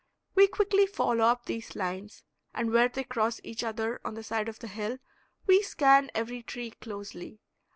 We quickly follow up these lines, and where they cross each other on the side of the hill we scan every tree closely.